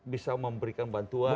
bisa memberikan bantuan